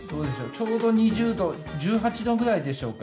ちょうど２０度、１８度くらいでしょうか。